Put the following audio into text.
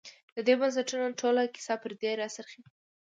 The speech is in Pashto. د دې بنسټونو ټوله کیسه پر دې راڅرخي.